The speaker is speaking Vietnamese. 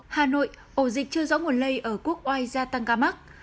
hà nội ổ dịch chưa rõ nguồn lây ở quốc oai gia tăng ca mắc